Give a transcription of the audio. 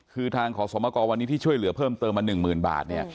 คือทางขอสมกรวันนี้ที่ช่วยเหลือเพิ่มเติมมา๑๐๐๐บาทเนี่ย